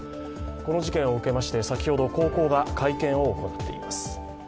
この事件を受けまして、先ほど高校が会見を行っています。